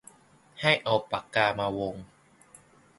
ให้เอาปากกามาวง